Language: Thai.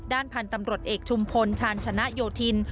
พันธุ์ตำรวจเอกชุมพลชาญชนะโยธิน